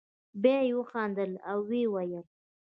بیا یې وخندل او ویې ویل.